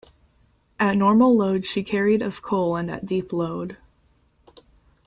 At normal load she carried of coal and at deep load.